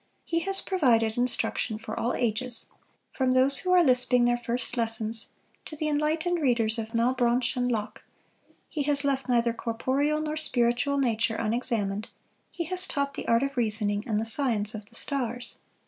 He has provided instruction for all ages, from those who are lisping their first lessons, to the enlightened readers of Malbranche and Locke; he has left neither corporeal nor spiritual nature unexamined; he has taught the art of reasoning, and the science of the stars.